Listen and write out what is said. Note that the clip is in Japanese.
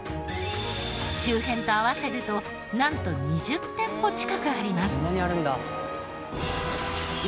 周辺と合わせるとなんと２０店舗近くあります。